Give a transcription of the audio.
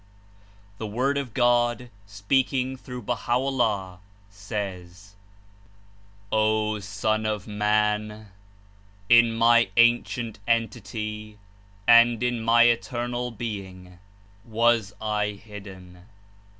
The Word of God, speaking through Baha' o'llah, says: '^O Son of Alan I* In my Ancient Entity and in my Eternal Being was I hidden.